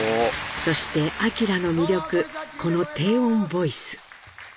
そして明の魅力この低音ボイス。